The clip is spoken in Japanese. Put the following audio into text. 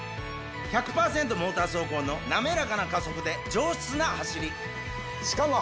モーター走行の滑らかな加速で上質な走りしかも。